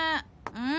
うん？